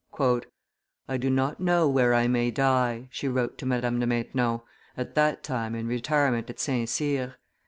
"I do not know where I may die," she wrote to Madame de Maintenon, at that time in retirement at St. Cyr.